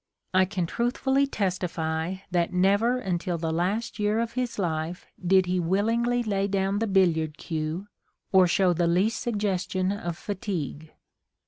I can truthfully testify that never until the last year of his life did he willingly lay down the billiard cue, or show the least suggestion of fatigue."